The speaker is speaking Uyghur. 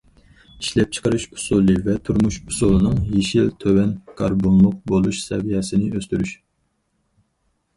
ئىشلەپچىقىرىش ئۇسۇلى ۋە تۇرمۇش ئۇسۇلىنىڭ يېشىل، تۆۋەن كاربونلۇق بولۇش سەۋىيەسىنى ئۆستۈرۈش.